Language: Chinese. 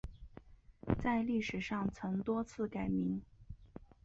在历史上曾多次改名。